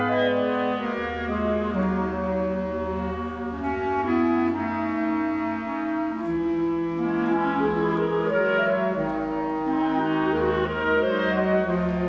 โปรดติดตามต่อไป